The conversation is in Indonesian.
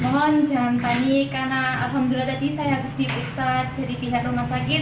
mohon jangan panik karena alhamdulillah tadi saya harus diperiksa dari pihak rumah sakit